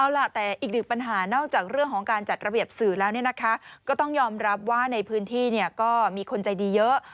เอาล่ะแต่อีกหนึ่งปัญหานอกจากเรื่องของการจัดระเบียบสื่อแล้วเนี่ยนะคะก็ต้องยอมรับว่าในพื้นที่เนี่ยก็มีคนใจดีเยอะ